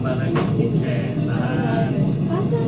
pasang di bukannya